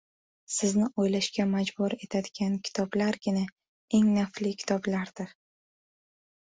Sizni o‘ylashga majbur etadigan kitoblargina eng nafli kitoblardir.